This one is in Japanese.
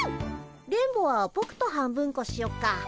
電ボはぼくと半分こしよっか。